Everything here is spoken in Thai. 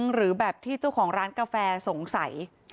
หรือแบบที่เจ้าของร้านกาแฟสงสัย